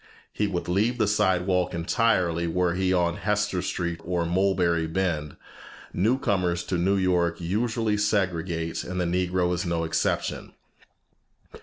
He would leave the sidewalk entirely were he on Hester Street or Mulberry Bend. New comers to New York usually segregate, and the Negro is no exception.